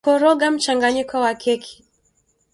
kukoroga mchanganyiko wa keki